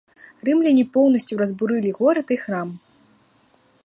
Рымляне поўнасцю разбурылі горад і храм.